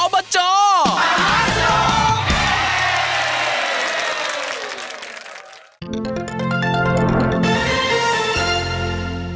โปรดติดตามตอนต่อไป